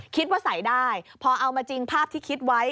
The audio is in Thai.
คิดว่าใส่ได้พอเอามาจริงภาพที่คิดไว้